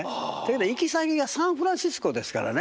行き先がサンフランシスコですからね